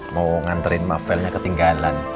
mau nganterin file nya ketinggalan